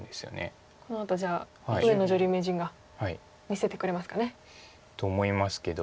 このあとじゃあ上野女流名人が見せてくれますかね。と思いますけど。